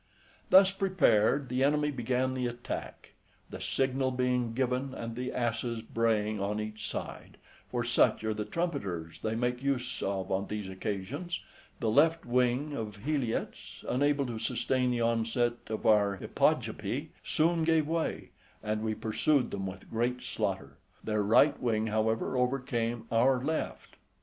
Thus prepared, the enemy began the attack: the signal being given, and the asses braying on each side, for such are the trumpeters they make use of on these occasions, the left wing of the Heliots, unable to sustain the onset of our Hippogypi, soon gave way, and we pursued them with great slaughter: their right wing, however, overcame our left.